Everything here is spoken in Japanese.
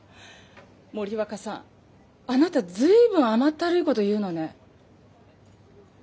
森若さんあなた随分甘ったるいこと言うのね。